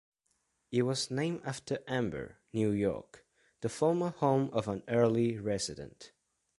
It was named after Amber, New York, the former home of an early resident.